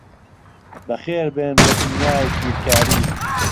بەخێربێن بۆ دنیای بیرکاری.